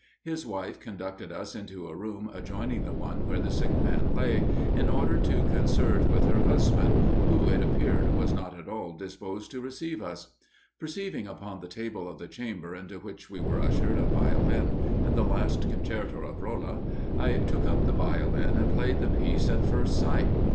His wife conducted us into a room adjoining the one where the sick man lay, in order to concert with her husband, who, it appeared, was not at all disposed to receive us. Perceiving upon the table of the chamber into which we were ushered a Violin, and the last concerto of Rolla, I took up the Violin and played the piece at first sight.